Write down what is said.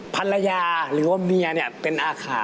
ภรรยาหรือว่าเมียเนี่ยเป็นอาขา